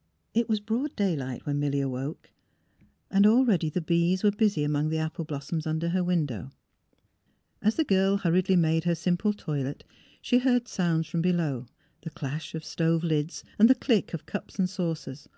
... It was broad daylight when Milly awoke, and already the bees were busy among the apple 106 THE HEART OF PHILURA blossoms under her window. As the girl hurriedly made her simple toilet she heard sounds from be low; the clash of stove lids and the click of cups and saucers.